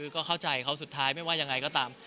ก็เข้าใจเขาสุดท้ายไม่ว่ายังไงก็ตาม